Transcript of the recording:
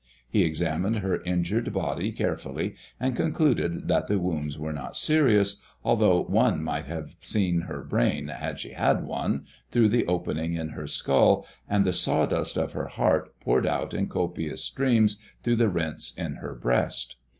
He examined her injured body carefully, and concluded that the wounds were not serious, although one might have seen her brain, had she had one, through the opening in her skull, and the sawdust of her heart poured out in copious streams through the rents in her breast.